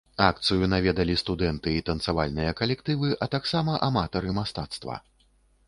Акцыю наведалі студэнты і танцавальныя калектывы, а таксама аматары мастацтва.